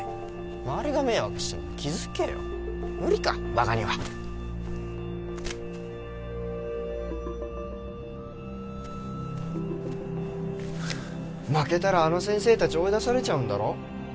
周りが迷惑してんの気づけよ無理かバカには負けたらあの先生達追い出されちゃうんだろ？